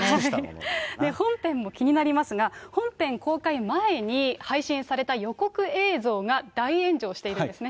本編も気になりますが、本編公開前に配信された予告映像が大炎上しているんですね。